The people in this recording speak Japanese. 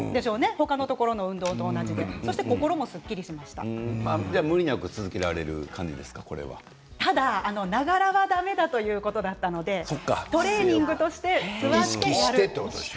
他のところの運動と同じで無理なく続けられる感じただながらはだめだということだったのでトレーニングとして座って。